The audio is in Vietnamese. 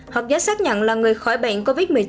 hoặc giấy xác nhận là người khỏi bệnh covid một mươi chín